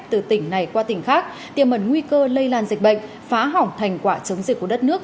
từ tỉnh này qua tỉnh khác tiềm mẩn nguy cơ lây lan dịch bệnh phá hỏng thành quả chống dịch của đất nước